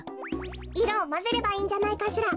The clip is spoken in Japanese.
いろをまぜればいいんじゃないかしら。